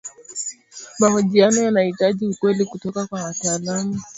mahojiano yanahitaji ukweli kutoka kwa wataalamu